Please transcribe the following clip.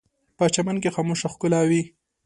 په چمن کې خاموشه ښکلا وي